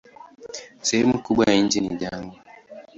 Sehemu kubwa ya nchi ni jangwa.